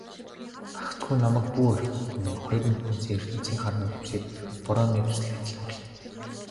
"Гагцхүү намайг бүү орхи" хэмээн хоёр нүднээсээ ертөнцийн хар нулимсыг борооны дусал адил асгаруулна.